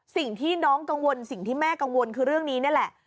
สิ่งที่น้องกังวลสิ่งที่แม่กังวลคือเรื่องนี้นี่แหละ